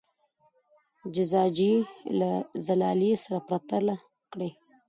زجاجیه له زلالیې سره پرتله کړئ.